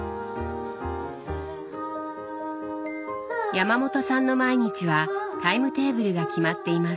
山本さんの毎日はタイムテーブルが決まっています。